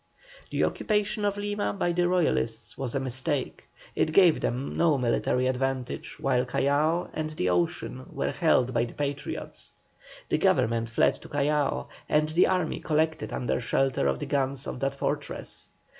The occupation of Lima by the Royalists was a mistake, it gave them no military advantage while Callao and the ocean were held by the Patriots. The Government fled to Callao, and the army collected under shelter of the guns of that fortress.